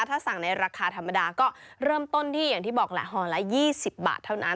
ถ้าสั่งในราคาธรรมดาก็เริ่มต้นที่อย่างที่บอกแหละห่อละ๒๐บาทเท่านั้น